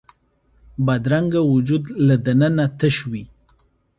بدرنګه وجود له دننه تش وي